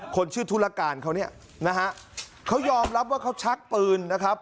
คนชื่อธุรการเขาเนี่ยนะฮะเขายอมรับว่าเขาชักปืนนะครับ